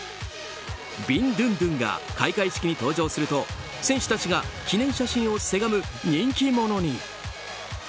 ビンドゥンドゥンが開会式に登場すると選手たちが記念写真をせがむ人気者に。